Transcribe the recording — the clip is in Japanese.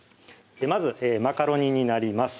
まずマカロニになります